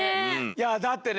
いやだってね